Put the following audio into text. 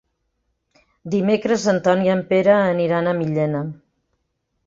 Dimecres en Ton i en Pere aniran a Millena.